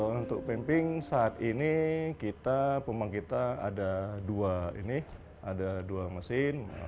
untuk pemping saat ini kita pembangkit kita ada dua ini ada dua mesin